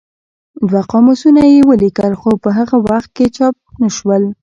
دوه قاموسونه یې ولیکل خو په هغه وخت کې چاپ نه شول.